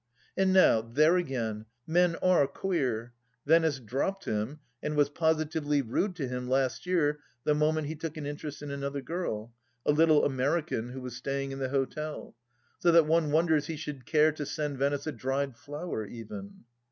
And now, there again, men are queer ! Venice dropped him, and was positively rude to him last year the moment he took an interest in another girl, a little American who was staying in the hotel, so that one wonders he should care to send Venice a dried flower even.